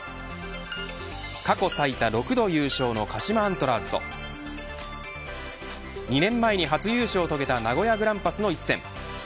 過去最多６度優勝の鹿島アントラーズと２年前に初優勝を遂げた名古屋グランパスの一戦。